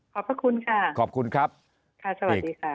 พระคุณค่ะขอบคุณครับค่ะสวัสดีค่ะ